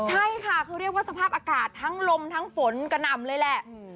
ใช่ค่ะคือเรียกว่าสภาพอากาศทั้งลมทั้งฝนกระหน่ำเลยแหละ